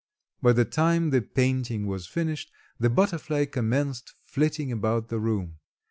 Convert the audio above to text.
By the time the painting was finished the butterfly commenced flitting about the room.